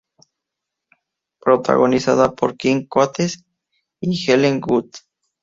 Protagonizada por Kim Coates y Helen Hughes.